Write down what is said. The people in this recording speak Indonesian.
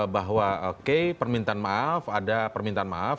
bahwa oke permintaan maaf ada permintaan maaf